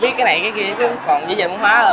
biết cái này cái kia còn giới dịch văn hóa